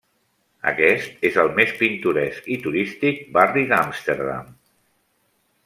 Aquest és el més pintoresc i turístic barri d'Amsterdam.